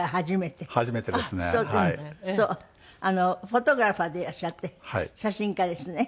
フォトグラファーでいらっしゃって写真家ですね。